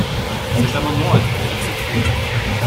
Cet amendement a été accepté.